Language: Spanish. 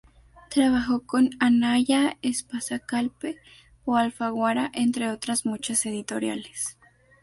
Trabajó con Anaya, Espasa-Calpe o Alfaguara, entre otras muchas editoriales.